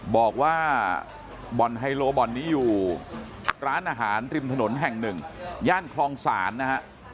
บอกว่าบ่อนไฮโลบ่อนนี้อยู่ร้านอาหารริมถนนแห่งหนึ่งย่านคลองศาลนะฮะ